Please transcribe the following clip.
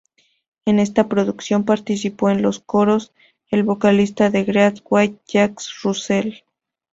En esta producción participó en los coros el vocalista de Great White Jack Russell.